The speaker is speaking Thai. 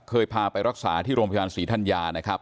พาไปรักษาที่โรงพยาบาลศรีธัญญานะครับ